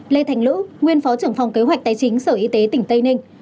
lê thành lữ nguyên phó trưởng phòng kế hoạch tài chính sở y tế tỉnh tây ninh